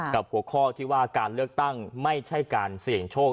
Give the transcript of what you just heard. หัวข้อที่ว่าการเลือกตั้งไม่ใช่การเสี่ยงโชค